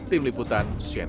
tim liput jawa barat